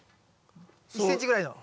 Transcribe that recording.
１ｃｍぐらいの。